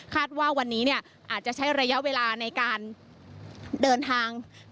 ว่าวันนี้อาจจะใช้ระยะเวลาในการเดินทาง